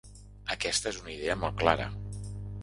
Aquesta és una idea molt clara.